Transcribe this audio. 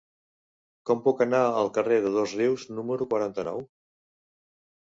Com puc anar al carrer de Dosrius número quaranta-nou?